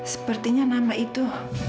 sepertinya nama itu